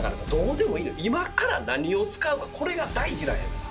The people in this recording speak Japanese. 今から何を使うかこれが大事なんやから！